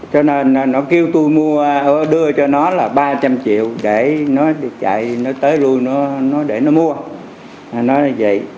cho nên nó kêu tôi mua đưa cho nó là ba trăm linh triệu để nó chạy nó tới luôn nó để nó mua